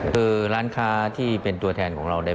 คือร้านค้าที่เป็นตัวแทนของเราเนี่ย